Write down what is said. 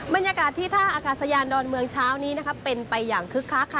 บรรยากาศที่ท่าอากาศยานดอนเมืองเช้านี้เป็นไปอย่างคึกคักค่ะ